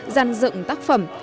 gian dựng tác phẩm